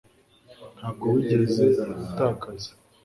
Ntabwo wigeze utakaza